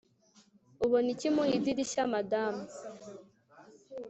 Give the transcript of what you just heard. Ubona iki mu idirishya madamu